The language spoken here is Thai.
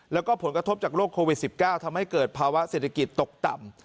แล้วก็ผลกระทบจากโรคโควิด๑๙ทำให้เกิดภาวะเศรษฐกิจตกต่ำ